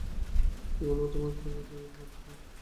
কী বলব তোমাকে, আমার আর অন্য ভাবনা নেই।